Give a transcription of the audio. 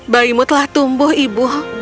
bayimu telah tumbuh ibu